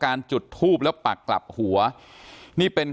การแก้เคล็ดบางอย่างแค่นั้นเอง